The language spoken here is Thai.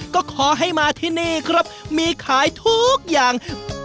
ก็ขอให้มาที่นี่ครับมีขายทุกอย่าง